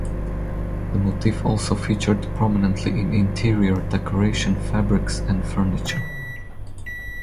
The motif also featured prominently in interior decoration, fabrics and furniture.